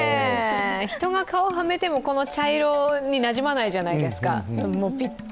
人が顔はめても、この茶色になじまないじゃないですか。